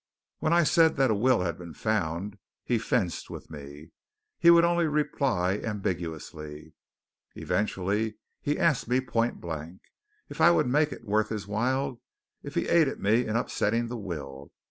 When I said that a will had been found he fenced with me. He would only reply ambiguously. Eventually he asked me, point blank, if I would make it worth his while if he aided me in upsetting the will.